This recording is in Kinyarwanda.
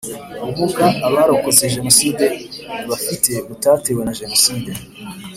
Ubumuga Abarokotse jenoside bafite butatewe na Jenoside